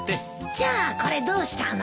じゃあこれどうしたの？